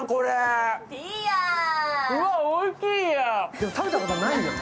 でも食べたことないよね。